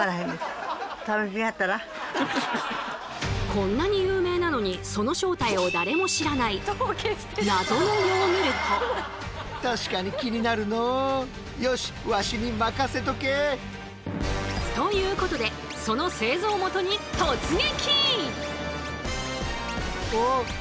こんなに有名なのにその正体を誰も知らない謎のヨーグルト。ということでその製造元に突撃！